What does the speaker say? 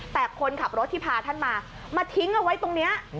แต่คนขับรถที่พาท่านมามาทิ้งเอาไว้ตรงนี้